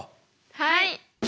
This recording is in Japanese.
はい。